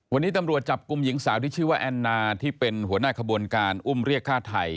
วันนี้ตำรวจจับกลุ่มหญิงสาวที่ชื่อว่าแอนนาที่เป็นหัวหน้าขบวนการอุ้มเรียกฆ่าไทย